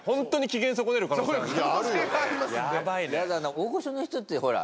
大御所の人ってほら。